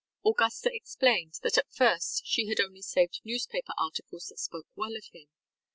Augusta explained that at first she had only saved newspaper articles that spoke well of him.